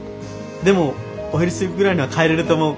でもお昼過ぎぐらいには帰れると思う。